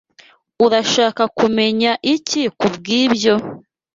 Urashaka kumenya iki kubwibyo?